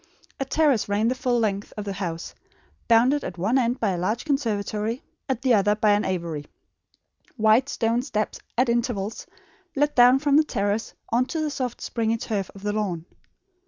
A terrace ran the full length of the house, bounded at one end by a large conservatory, at the other by an aviary. Wide stone steps, at intervals, led down from the terrace on to the soft springy turf of the lawn.